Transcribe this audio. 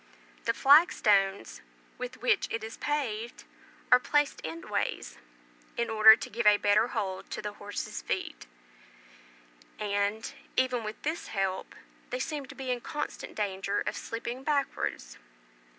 The flag stones with which it is paved are placed end ways, in order to give a better hold to the horses' feet; and, even with this help, they seem to be in constant danger of slipping backwards.